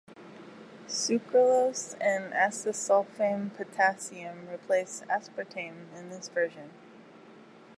Sucralose and acesulfame potassium replace aspartame in this version.